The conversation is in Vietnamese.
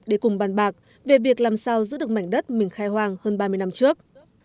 để cùng bàn bạc về việc làm sao giữ được mảnh đất mình khai hoang hơn ba mươi năm trước